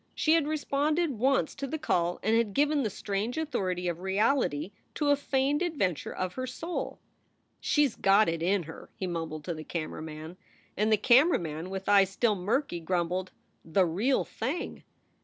She had responded once to the call and had given the strange authority of reality to a feigned adventure of her soul. "She s got it in her!" he mumbled to the camera man. And the camera man, with eyes still murky, grumbled: "The real thing!"